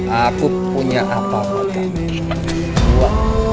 aku punya apa apa